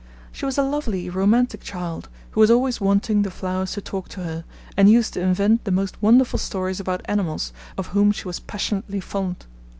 She was a lovely, romantic child, who was always wanting the flowers to talk to her, and used to invent the most wonderful stories about animals, of whom she was passionately fond.